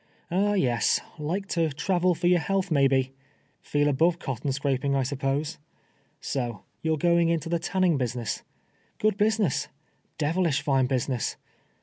Ah, yes — like to travel for your health, may be? Feel above cotton scraping, I 'spose. So you're going into the tanning Itusiness? Good business — devilish line business.